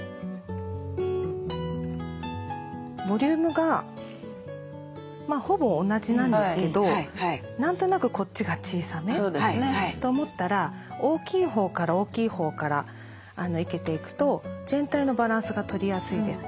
ボリュームがほぼ同じなんですけど何となくこっちが小さめと思ったら大きいほうから大きいほうから生けていくと全体のバランスが取りやすいです。